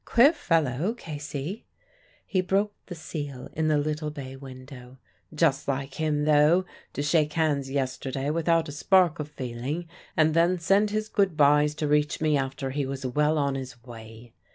"Queer fellow, Casey." He broke the seal in the little bay window. "Just like him, though, to shake hands yesterday without a spark of feeling, and then send his good byes to reach me after he was well on his way."